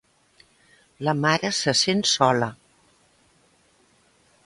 La mare se sent sola.